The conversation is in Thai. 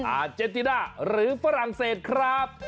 อาเจนติน่าหรือฝรั่งเศสครับ